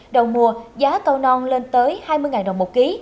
đầu mùa giá cao non lên tới hai mươi đồng một ký